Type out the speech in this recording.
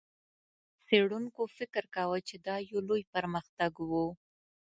څېړونکو فکر کاوه، چې دا یو لوی پرمختګ و.